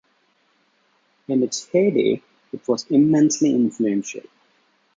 In its heyday it was immensely influential.